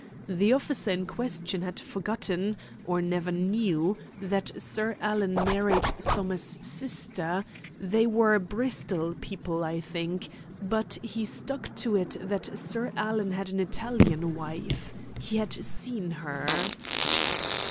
The officer in question had forgotten, or never knew, that Sir Alan married Somers's sister they were Bristol people, I think but he stuck to it that Sir Alan had an Italian wife. He had seen her."